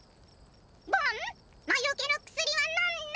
「ボン魔除けの薬は飲んだ？